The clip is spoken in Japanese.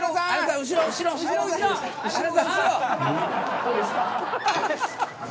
どうですか？